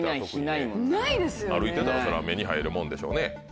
歩いてたらそら目に入るもんでしょうね。